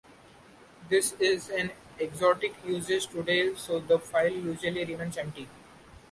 This is an exotic usage today so the file usually remains empty.